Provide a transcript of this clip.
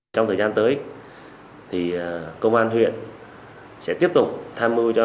đồng thời công an huyện chư sê cũng xử lý nghiêm các đối tượng trầm cắp xe máy trên địa bàn